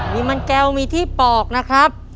มีมันแก้วมีที่ปอกนะครับ